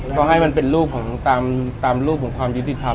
ก็ให้มันเป็นรูปของตามรูปของความยุติธรรม